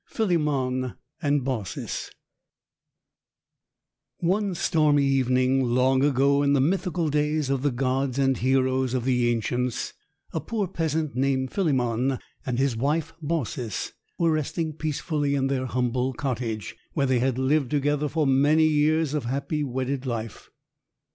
PHILEMON AND BAUCIS One stormy evening, long ago, in the mythical days of the gods and heroes of the Ancients, a poor peasant named Philemon and his wife, Baucis, were resting peacefully in their humble cottage, where they had lived together for many years of happy wedded life.